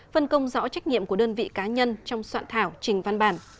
phân công rõ trách nhiệm của đơn vị cá nhân trong soạn thảo trình văn bản